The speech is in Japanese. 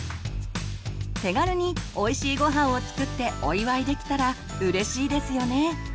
手軽においしいごはんを作ってお祝いできたらうれしいですよね。